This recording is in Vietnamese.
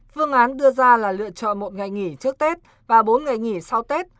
phương án đưa ra là lựa chọn một ngày nghỉ trước tết và bốn ngày nghỉ sau tết